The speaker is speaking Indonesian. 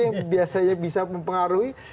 yang biasanya bisa mempengaruhi